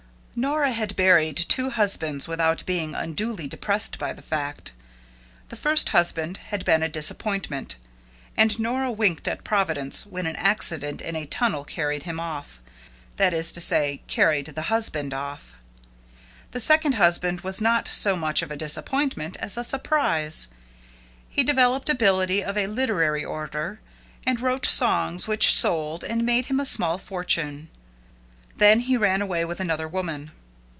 Nora had buried two husbands without being unduly depressed by the fact. The first husband had been a disappointment, and Nora winked at Providence when an accident in a tunnel carried him off that is to say, carried the husband off. The second husband was not so much of a disappointment as a surprise. He developed ability of a literary order, and wrote songs which sold and made him a small fortune. Then he ran away with another woman.